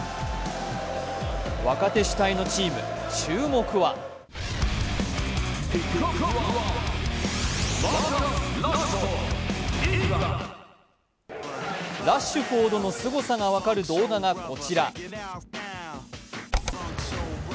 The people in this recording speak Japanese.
若手主体のチーム、注目はラッシュフォードのすごさが分かる動画がこちら。